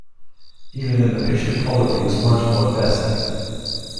Even then, the picture quality was marginal at best.